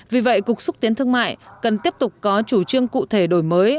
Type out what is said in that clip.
vì vậy cục xúc tiến thương mại cần tiếp tục có chủ trương cụ thể đổi mới